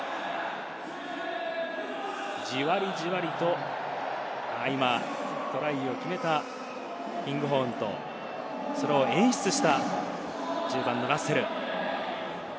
じわりじわりと今、トライを決めたキングホーンとそれを演出した１０番・ラッセル。